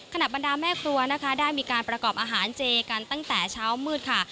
บรรดาแม่ครัวนะคะได้มีการประกอบอาหารเจกันตั้งแต่เช้ามืดค่ะ